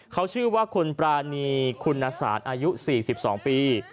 เขาชื่อว่าคุณปรานีคุณสารอายุ๔๒ปี